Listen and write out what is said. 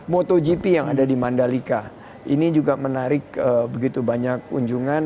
motogp yang ada di mandalika ini juga menarik begitu banyak kunjungan